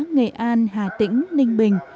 nghệ an hà tĩnh ninh bình